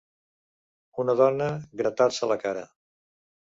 Una dona gratar-se la cara.